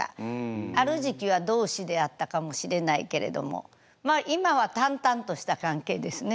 ある時期は同志であったかもしれないけれどもまあ今は淡々とした関係ですね。